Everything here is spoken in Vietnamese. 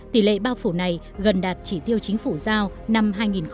tỷ lệ bao phủ này gần đạt chỉ tiêu chính phủ giao năm hai nghìn một mươi chín